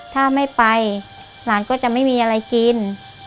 ถ้าไม่ไปหลานก็จะไม่มีอะไรกิน